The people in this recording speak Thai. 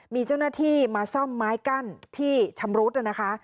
มีเจ้าหน้าที่มาซ่อมไม้กั้นที่ชำรุดนะคะ